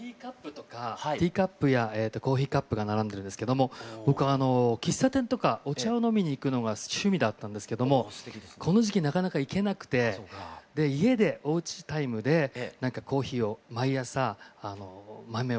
ティーカップやコーヒーカップが並んでるんですけども僕喫茶店とかお茶を飲みに行くのが趣味だったんですけどもこの時期なかなか行けなくて家でおうちタイムでコーヒーを毎朝豆をひいて。